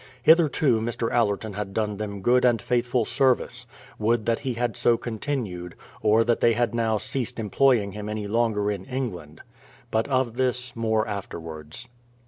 Hitherto Mr. Allerton had done them good and faithful service: would that he had so continued, or that they had now ceased employing him any longer in England. But of this more afterwards.